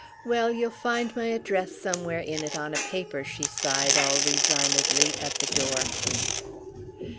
"Well, you'll find my address somewhere in it on a paper!" she sighed all resignedly at the door.